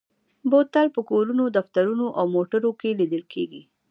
بوتل په کورونو، دفترونو او موټرو کې لیدل کېږي.